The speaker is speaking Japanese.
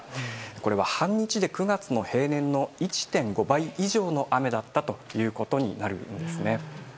これは半日で９月の平年の１．５倍以上の雨だったということになるようですね。